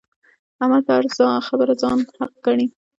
احمد په هره خبره ځان حق ګڼي.